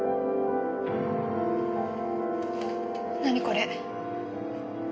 何これ？